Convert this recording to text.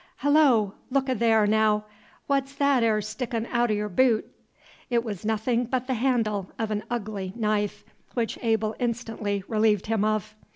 "Hullo! look o' there, naow! What's that 'ere stickin' aout o' y'r boot?" It was nothing but the handle of an ugly knife, which Abel instantly relieved him of.